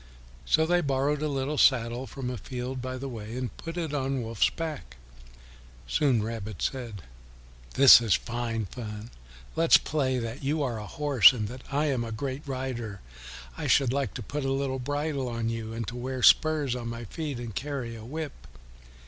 So they borrowed a little saddle from a field by the way and put it on Wolf's back. Soon Rabbit said, "This is fine fun; let us play that you are a horse and that I am a great rider. I should like to put a little bridle on you, and to wear spurs on my feet and to carry a whip."